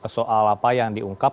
soal apa yang diungkap